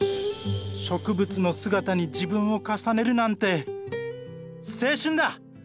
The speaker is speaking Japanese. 植物の姿に自分を重ねるなんて青春だ！